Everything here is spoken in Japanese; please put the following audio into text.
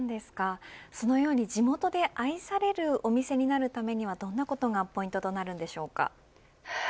そのように地元で愛されるお店になるためにはどんなことがポイントになるでしょうか。